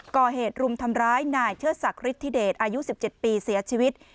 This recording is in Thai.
ก่อเหตุรุมทำร้ายนายเชิดศักดิทธิเดชอายุ๑๗ปีเสียชีวิต